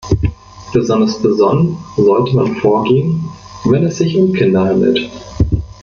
Besonders besonnen sollte man vorgehen, wenn es sich um Kinder handelt.